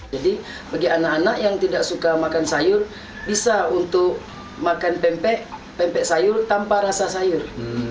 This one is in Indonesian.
jadi bagi anak anak yang tidak suka makan sayur bisa untuk makan pempek pempek sayur tanpa rasa sayur